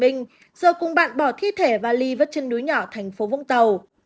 giờ cùng bạn bỏ thi thể và ly vất trên núi nhỏ tp vũng tàu